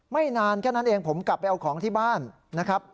ไม่นานแค่นั้นเองผมกลับไปเอาของที่บ้านนะครับ